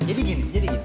jadi gini jadi gini